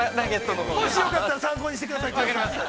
◆もしよかったら参考にしてください。